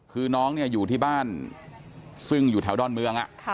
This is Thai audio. คือน้องเนี่ยอยู่ที่บ้านซึ่งอยู่แถวดอนเมือง